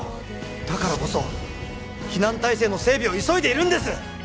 だからこそ避難態勢の整備を急いでいるんです